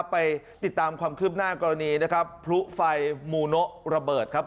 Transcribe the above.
ไปติดตามความคืบหน้ากรณีนะครับพลุไฟมูโนะระเบิดครับ